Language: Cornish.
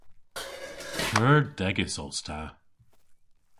Pur degys os ta.